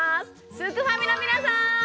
すくファミの皆さん！